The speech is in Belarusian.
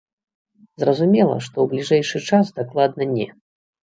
Зразумела, што ў бліжэйшы час дакладна не.